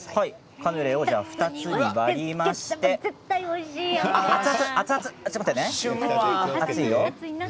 カヌレを２つに割りまして、熱々。